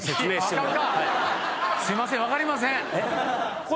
すいません分かりません